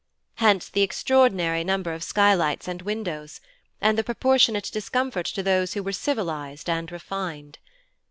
Hence the extraordinary number of skylights and windows, and the proportionate discomfort to those who were civilized and refined.